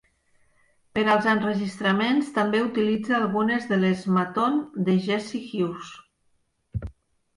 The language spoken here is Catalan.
Per als enregistraments també utilitza algunes de les Maton de Jesse Hughes.